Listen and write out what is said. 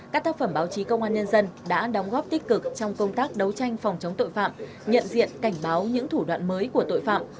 các tác phẩm báo chí công an nhân dân đã đóng góp tích cực trong công tác đấu tranh phòng chống tội phạm nhận diện cảnh báo những thủ đoạn mới của tội phạm